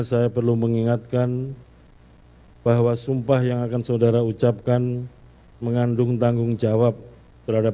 saya perlu mengingatkan bahwa sumpah yang akan saudara ucapkan mengandung tanggung jawab terhadap